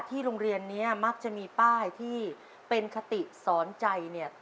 โรงเรียนนี้มักจะมีป้ายที่เป็นคติสอนใจเนี่ย